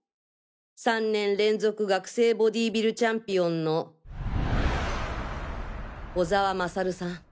３年連続学生ボディビルチャンピオンの小沢勝さん。